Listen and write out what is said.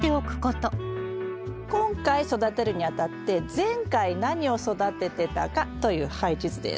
今回育てるにあたって前回何を育ててたかという配置図です。